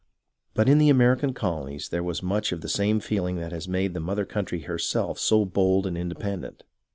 But in the American colonies there was much of the same feeling that has made the mother country herself so bold and independent.